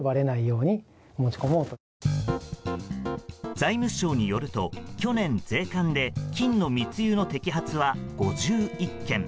財務省によると去年、税関で金の密輸の摘発は５１件。